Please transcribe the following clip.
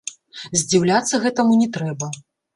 Здзіўляцца гэтаму не трэба.